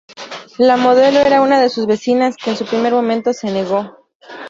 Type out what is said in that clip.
La modelo era una de sus vecinas que en un primer momento se negó.